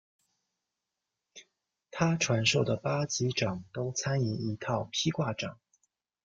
他传授的八极拳都参以一套劈挂掌。